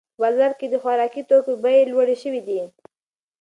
په بازار کې د خوراکي توکو بیې لوړې شوې دي.